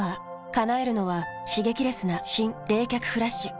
叶えるのは刺激レスな新・冷却フラッシュ。